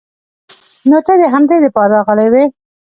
نو ته د همدې د پاره راغلې وې.